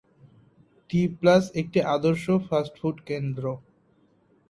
টি plus একটি আদর্শ fast food কেন্দ্র।